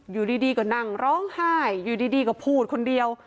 อยู่ดีก็นั่งร้องไห้อยู่ดีก็พูดคนเดียว